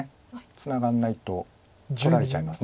ツナがらないと取られちゃいます。